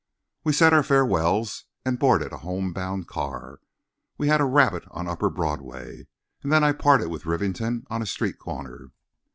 We said our farewells and boarded a home bound car. We had a rabbit on upper Broadway, and then I parted with Rivington on a street corner.